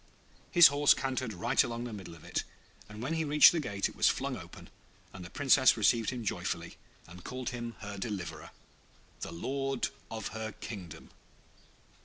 His horse cantered right along the middle of it, and when he reached the gate it was flung open and the Princess received him joyfully, and called him her Deliverer, and the Lord of her Kingdom.